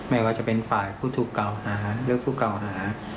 ไม่ว่าจะเป็นฝ่ายผู้ถูกกล่าวหาหรือผู้เก่าหา